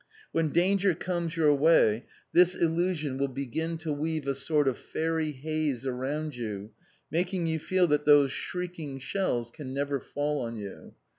When danger comes your way this illusion will begin to weave a sort of fairy haze around you, making you feel that those shrieking shells can never fall on you!